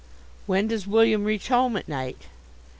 "When does William reach home at night?"